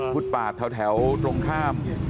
พุทธปาดแถวตรงข้าม